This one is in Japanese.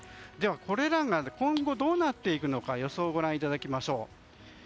これらが今後どうなっていくのか予想をご覧いただきましょう。